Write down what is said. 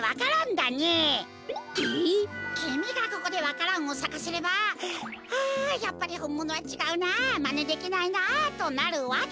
きみがここでわか蘭をさかせれば「ああやっぱりほんものはちがうなあまねできないなあ」となるわけだ。